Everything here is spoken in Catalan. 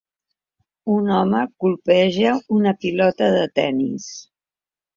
Un home colpeja una pilota de tenis.